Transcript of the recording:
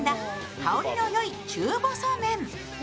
香りのよい中細麺。